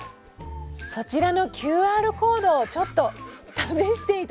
そちらのＱＲコードをちょっと試して頂けますでしょうか？